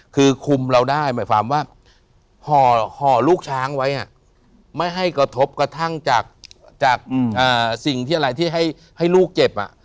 คือคุมเราได้หมายความว่าห่อลูกช้างไว้ไม่ให้กระทบกระทั่งจากสิ่งที่อะไรที่ให้ลูกเจ็บ